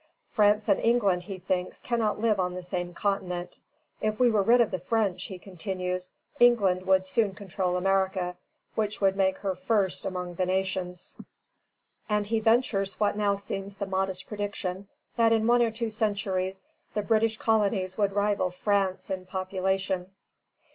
France and England, he thinks, cannot live on the same continent. If we were rid of the French, he continues, England would soon control America, which would make her first among the nations; and he ventures what now seems the modest prediction that in one or two centuries the British colonies would rival France in population.